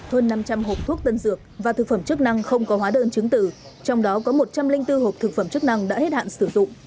hơn năm trăm linh hộp thuốc tân dược và thực phẩm chức năng không có hóa đơn chứng tử trong đó có một trăm linh bốn hộp thực phẩm chức năng đã hết hạn sử dụng